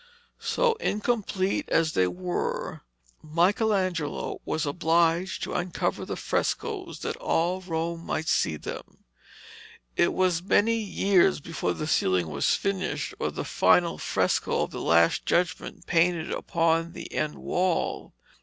So, incomplete as they were, Michelangelo was obliged to uncover the frescoes that all Rome might see them. It was many years before the ceiling was finished or the final fresco of the Last Judgment painted upon the end wall.